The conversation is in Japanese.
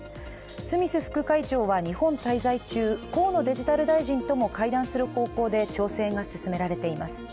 スミス副会長は日本滞在中、河野デジタル大臣とも会談する方向で調整が進められています。